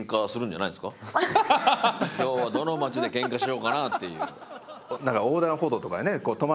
今日はどの街でケンカしようかなっていう。